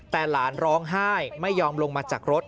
แต่หลานร้องไห้ไม่ยอมลงมาจากรถ